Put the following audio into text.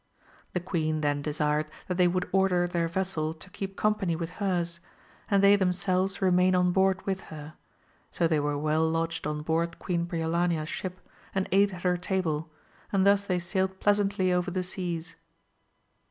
The queen then de sired that they would order their vessel to keep com pany with hers, and they themselves remain on board with her, so they were well lodged on board Queen Briolania's ship, and ate at her table, and thus they sailed pleasantly over the seas.